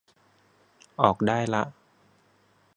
ออกได้ละ